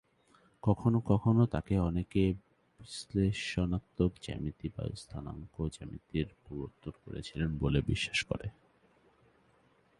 কখনও কখনও তাঁকে অনেকে বিশ্লেষণাত্মক জ্যামিতি বা স্থানাঙ্ক জ্যামিতির প্রবর্তন করেছিলেন বলে বিশ্বাস করে।